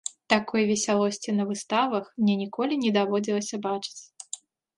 Такой весялосці на выставах мне ніколі не даводзілася бачыць.